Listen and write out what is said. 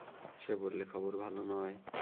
সে বললে, খবর ভালো নয়।